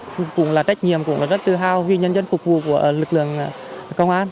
cùng là trách nhiệm cùng là rất tự hào vì nhân dân phục vụ của lực lượng công an